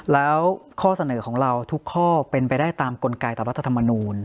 แล้วข้อเสนอของเราทุกข้อเป็นไปได้ตามกลไกตามรัฐธรรมนูล